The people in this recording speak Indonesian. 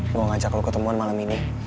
mau ngajak lo ketemuan malam ini